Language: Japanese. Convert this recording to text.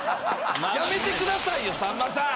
やめてくださいよさんまさん。